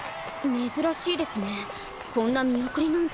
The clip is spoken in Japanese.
珍しいですねこんな見送りなんて